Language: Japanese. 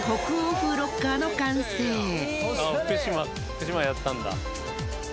福島やったんだ。